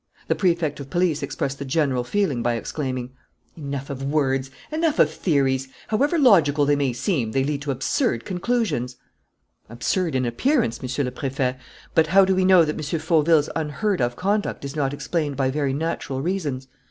The Prefect of Police expressed the general feeling by exclaiming: "Enough of words! Enough of theories! However logical they may seem, they lead to absurd conclusions." "Absurd in appearance, Monsieur le Préfet; but how do we know that M. Fauville's unheard of conduct is not explained by very natural reasons?